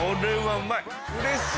うれしい。